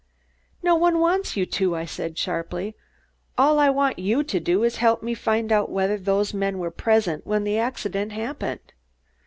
"No one wants you to," I said sharply. "All I want you to do is to help me find out whether those men were present when the accident happened."